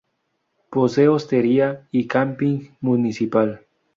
Posee hostería y camping municipal.